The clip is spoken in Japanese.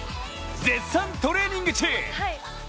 絶賛トレーニング中。